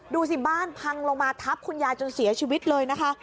ดูสิบ้านพังลงมาทับคุณยายจนเสียชีวิตเลยนะคะ